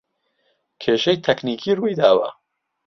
کێشەی تەکنیکی روویداوە